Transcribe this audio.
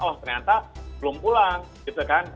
oh ternyata belum pulang gitu kan